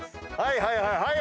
はいはいはい！